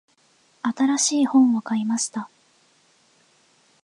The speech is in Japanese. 新しい本を買いました。